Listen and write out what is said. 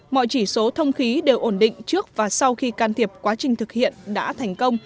mọi chỉ số thông khí đều ổn định trước và sau khi can thiệp quá trình thực hiện đã thành công